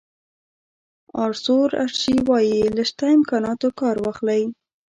آرثور اشي وایي له شته امکاناتو کار واخلئ.